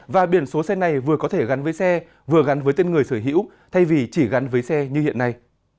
và biển số xe này vừa có thể gắn với xe vừa gắn với tên người sở hữu thay vì chỉ gắn với xe như hiện nay